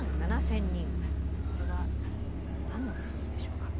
これは何の数字でしょうか？